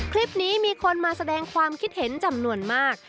คลิปนี้มีคนมาแสดงความคิดเห็นจำนวนมาก